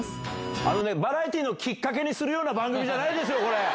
あのね、バラエティーのきっかけにするような番組じゃないですよ、これ。